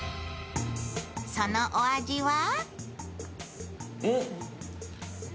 そのお味は？